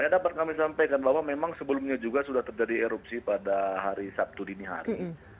dapat kami sampaikan bahwa memang sebelumnya juga sudah terjadi erupsi pada hari sabtu dini hari